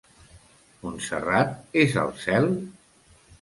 Montserrat és el cel?